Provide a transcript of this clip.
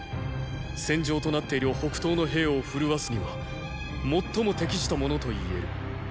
戦場となっている北東の兵を奮わすには最も適した者と言える。